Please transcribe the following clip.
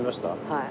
はい。